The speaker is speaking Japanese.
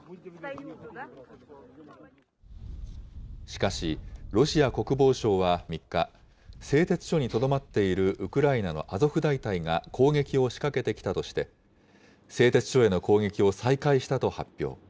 しかし、ロシア国防省は３日、製鉄所にとどまっているウクライナのアゾフ大隊が攻撃を仕掛けてきたとして、製鉄所への攻撃を再開したと発表。